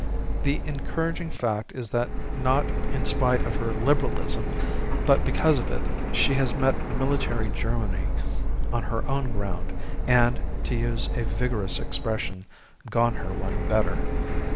The encouraging fact is that not in spite of her liberalism, but because of it, she has met military Germany on her own ground and, to use a vigorous expression, gone her one better.